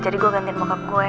jadi gue gantiin bokap gue